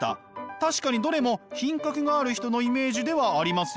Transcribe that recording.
確かにどれも品格がある人のイメージではありますよね。